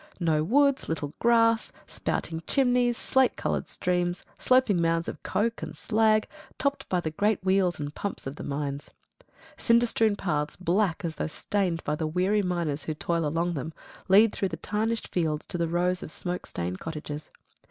No woods, little grass, spouting chimneys, slate coloured streams, sloping mounds of coke and slag, topped by the great wheels and pumps of the mines. Cinder strewn paths, black as though stained by the weary miners who toil along them, lead through the tarnished fields to the rows of smoke stained cottages.